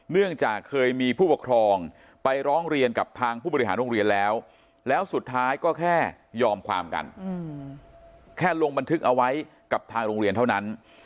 เนื่องจากเคยมีผู้ปกครองไปร้องเรียนกับทางผู้บริหารโรงเรียนแล้วแล้วสุดท้ายก็แค่ยอมความกันแค่ลงบันทึกเอาไว้กับทางโรงเรียนเท่านั้น